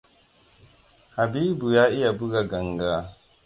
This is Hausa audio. Habibu ya iya buga ganga.